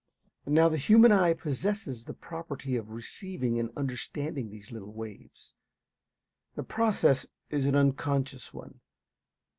Now the human eye possesses the property of receiving and understanding these little waves. The process is an unconscious one.